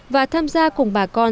và tham gia cùng bà con